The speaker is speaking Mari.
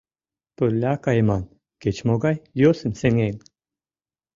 Пырля кайыман, кеч-могай йӧсым сеҥен.